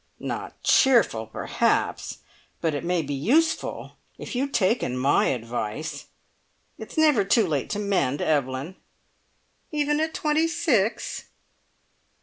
"Not cheerful, perhaps, but it may be useful! If you'd taken my advice. It's never too late to mend, Evelyn." "Even at twenty six?"